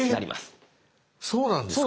え⁉そうなんですか？